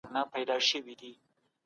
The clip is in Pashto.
د غریبانو حق باید ادا سي.